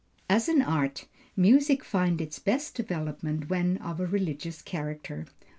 As an art, music finds its best development when of a religious character.